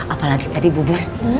apalagi tadi bu bus